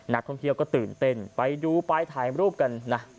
นักท่องเที่ยวก็ตื่นเต้นไปดูไปถ่ายรูปกันนะ